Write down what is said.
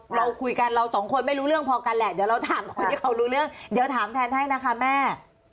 เราคุยกันเราสองคนไม่รู้เรื่องพอกันแหละเดี๋ยวเราถามคนที่เขารู้เรื่องเดี๋ยวถามแทนให้นะคะแม่